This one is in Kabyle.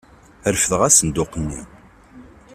Refdeɣ asenduq-nni.